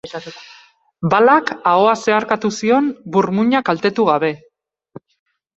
Balak ahoa zeharkatu zion, burmuina kaltetu gabe.